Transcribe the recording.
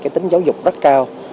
tính giáo dục rất cao